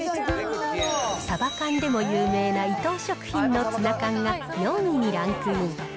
サバ缶でも有名な伊藤食品のツナ缶が４位にランクイン。